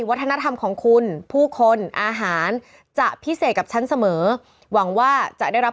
วัฒนธรรมของคุณผู้คนอาหารจะพิเศษกับฉันเสมอหวังว่าจะได้รับ